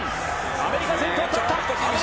アメリカ、先頭をとった。